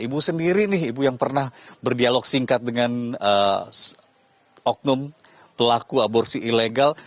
ibu sendiri nih ibu yang pernah berdialog singkat dengan oknum pelaku aborsi ilegal